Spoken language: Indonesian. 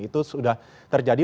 itu sudah terjadi